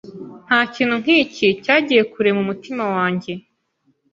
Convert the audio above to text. Ntakintu nkiki cyagiye kure mumutima wange